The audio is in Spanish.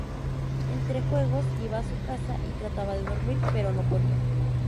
Entre juegos, iba a su casa y trataba de dormir, pero no podía.